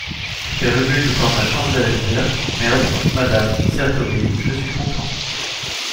Père Ubu De par ma chandelle verte, merdre, madame, certes oui, je suis content.